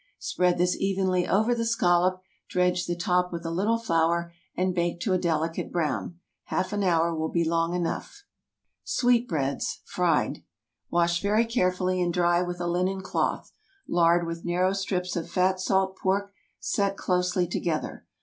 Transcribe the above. Spread this evenly over the scallop, dredge the top with a little flour, and bake to a delicate brown. Half an hour will be long enough. SWEET BREADS (Fried.) ✠ Wash very carefully, and dry with a linen cloth. Lard with narrow strips of fat salt pork, set closely together.